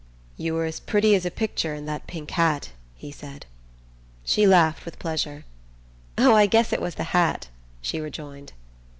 "You were as pretty as a picture in that pink hat," he said. She laughed with pleasure. "Oh, I guess it was the hat!" she rejoined.